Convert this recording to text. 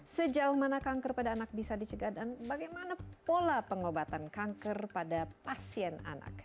sejauh mana kanker pada anak bisa dicegah dan bagaimana pola pengobatan kanker pada pasien anak